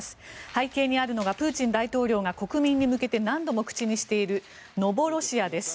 背景にあるのがプーチン大統領が国民に向けて何度も口にしているノボロシアです。